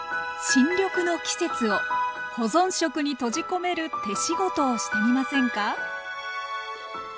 新緑の季節を保存食に閉じ込める手仕事をしてみませんか？